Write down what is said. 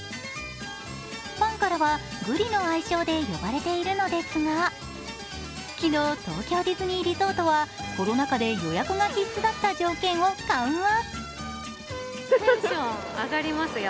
ファンからはグリの愛称で呼ばれているのですが昨日、東京ディズニーリゾートはコロナ禍で予約が必須だった条件を緩和。